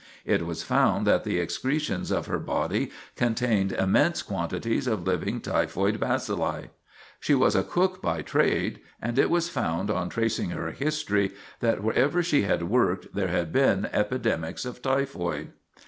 It was found that the excretions of her body contained immense quantities of living typhoid bacilli. She was a cook by trade, and it was found on tracing her history that wherever she had worked there had been epidemics of typhoid.